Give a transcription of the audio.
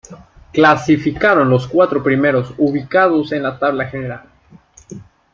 Clasificaron los cuatro primeros ubicados en la tabla general.